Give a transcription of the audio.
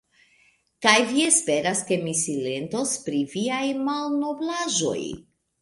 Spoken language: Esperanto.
Kaj vi esperas, ke mi silentos pri viaj malnoblaĵoj!